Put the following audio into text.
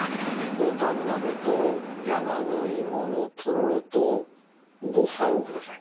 ぼたん鍋と山の芋のとろろとごはんをください。